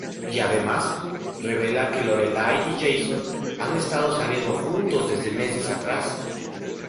Y además, revela que Lorelai y Jason han estado saliendo juntos desde meses atrás.